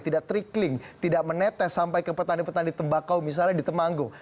tidak trikling tidak menetes sampai ke petani petani tembakau misalnya di temanggung